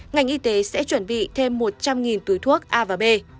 ngành y tế sẽ chuẩn bị thêm một trăm linh túi thuốc a và b